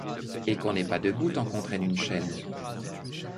Et qu'on n'est pas debout tant qu'on traîne une chaîne ;